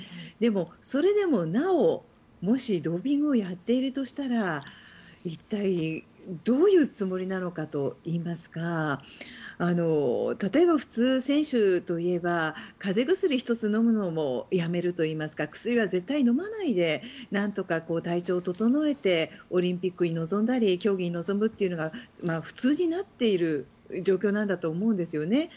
でも、それでもなおもしドーピングをやっているとしたら一体どういうつもりなのかといいますか例えば、普通、選手といえば風邪薬ひとつ飲むのもやめるといいますか薬は絶対に飲まないで何とか体調を整えてオリンピックに臨んだり競技に臨むというのが普通になっている状況なんだと思うんですよね。